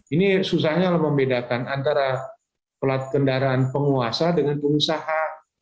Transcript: ini susahnya membedakan antara pelat kendaraan penguasa dengan pengusaha